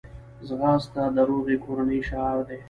ځغاسته د روغې کورنۍ شعار دی